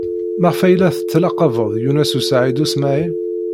Maɣef ay la tettlaqabed Yunes u Saɛid u Smaɛil?